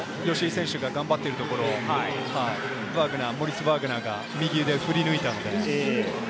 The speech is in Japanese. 吉井選手が頑張っているところ、モリッツ・バグナーが右腕を振り抜いたので。